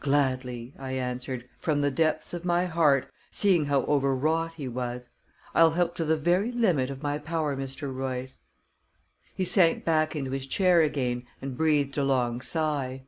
"Gladly," I answered, from the depths of my heart, seeing how overwrought he was. "I'll help to the very limit of my power, Mr. Royce." He sank back into his chair again, and breathed a long sigh.